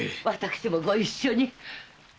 私もご一緒に！